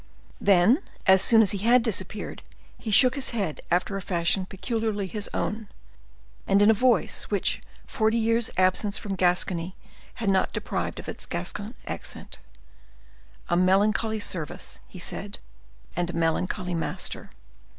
Then as soon as he had disappeared, he shook his head after a fashion peculiarly his own, and in a voice which forty years' absence from Gascony had not deprived of its Gascon accent, "A melancholy service," said he, "and a melancholy master!"